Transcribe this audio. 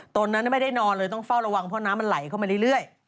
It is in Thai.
ตอนนั้นไม่ได้นอนเลยต้องเฝ้าระวังเพราะน้ำมันไหลเข้ามาเรื่อย